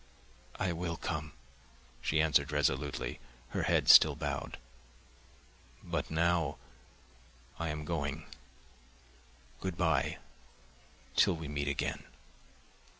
"I will come," she answered resolutely, her head still bowed. "But now I am going, good bye ... till we meet again."